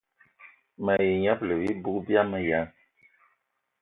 Mayi ṅyëbëla bibug biama ya